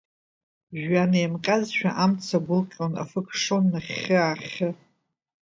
Жәҩан еимҟьазшәа, амца агәылҟьон, Афы кшон нахьхьы-аахьы.